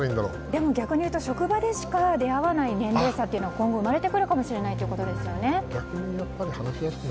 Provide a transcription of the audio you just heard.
でも、逆に職場でしか出会わない年齢差というのが今後生まれてくるかもしれないということですよね。